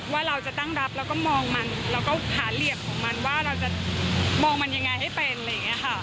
ว่าเราจะตั้งรับแล้วก็มองมันแล้วก็หาเหลี่ยกของมันว่าเราจะมองมันยังไงให้เป็น